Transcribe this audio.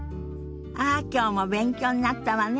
ああきょうも勉強になったわね。